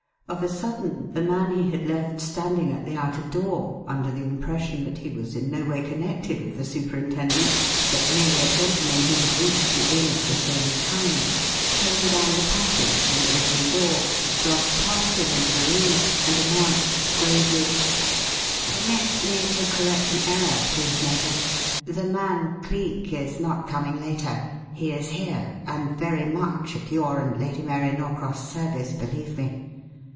Of a sudden the man he had left standing at the outer door, under the impression that he was in no way connected with the superintendent, but merely a gentleman who had reached the inn at the same time, came down the passage to the open door, brushed past him into the room, and announced gravely, "Permit me to correct an error, please, Major. The 'man Cleek' is not coming later he is here, and very much at your and Lady Mary Norcross' service, believe me.